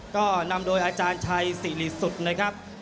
ก็นำโดยอาจารย์ชายศรีศุฏย์นะครับ